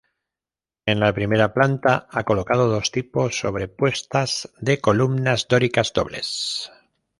En la primera planta ha colocado dos tipos sobrepuestas de columnas dóricas dobles.